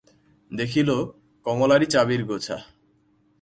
দেখিল, কমলারই চাবির গোছা।